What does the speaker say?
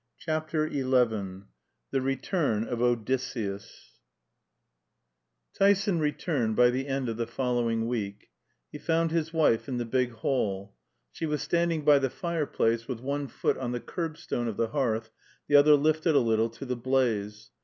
CHAPTER XI THE RETURN OF ODYSSEUS Tyson returned by the end of the following week. He found his wife in the big hall. She was standing by the fireplace, with one foot on the curbstone of the hearth, the other lifted a little to the blaze.